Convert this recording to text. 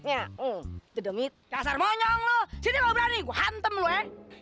itu demi dasar monyong lo sini gak berani gue hantem lo ya